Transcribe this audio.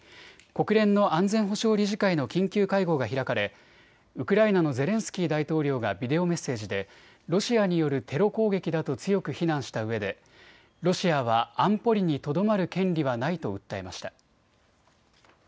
国連の安全保障理事会の緊急会合が開かれ、ウクライナのゼレンスキー大統領がビデオメッセージでロシアによるテロ攻撃だと強く非難したうえでロシアは安保理にとどまる権利はないと訴えました。